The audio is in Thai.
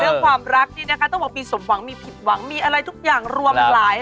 ความรักนี่นะคะต้องบอกมีสมหวังมีผิดหวังมีอะไรทุกอย่างรวมหลาย